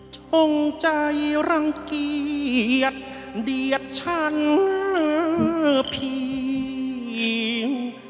ทงใจรังเกียจเดียดฉันเพียง